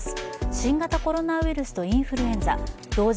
新型コロナウイルスとインフルエンザ同時